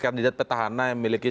kandidat petahana yang memiliki